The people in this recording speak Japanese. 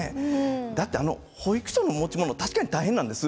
だって保育所の持ち物は確かに大変なんです。